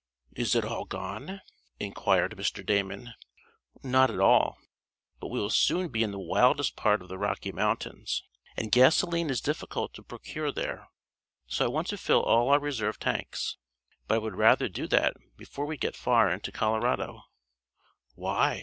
"Is it all gone?" inquired Mr. Damon. "Not all, but we will soon be in the wildest part of the Rocky Mountains, and gasoline is difficult to procure there. So I want to fill all our reserve tanks. But I would rather do that before we get far into Colorado." "Why?"